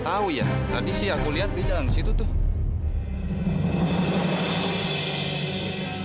tau ya tadi sih aku liat dia jalan disitu tuh